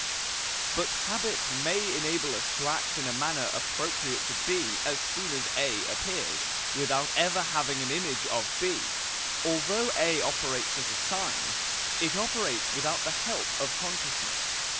But habit may enable us to act in a manner appropriate to B as soon as A appears, without ever having an image of B. In that case, although A operates as a sign, it operates without the help of consciousness.